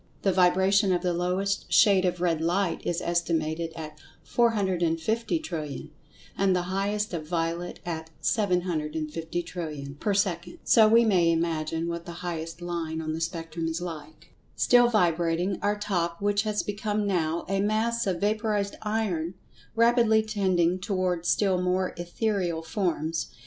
The vibration of the lowest shade of red light is estimated at 450,000,000,000,000, and the highest of violet at 750,000,000,000,000 per second, so we may imagine what the highest line on the spectrum is like. Still vibrating, our Top, which has become now a Mass of Vaporized Iron, rapidly tending toward still more ethereal forms.